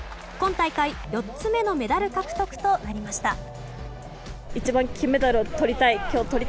今大会４つ目のメダル獲得となりました。